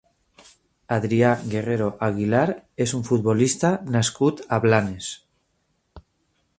Adrià Guerrero Aguilar és un futbolista nascut a Blanes.